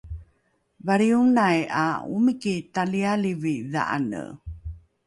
valrionai ’a omiki talialivi dha’ane